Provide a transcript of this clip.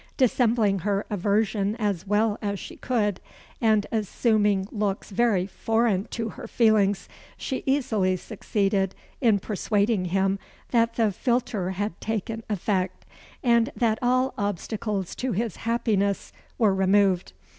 Dissembling her aversion as well as she could, and assuming looks very foreign to her feelings, she easily succeeded in persuading him that the philter had taken effect, and that all obstacles to his happiness were removed.